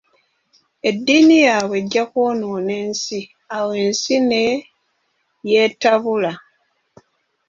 Eddiini yaabwe ejja kwonoona nsi, awo ensi ne yeetabula.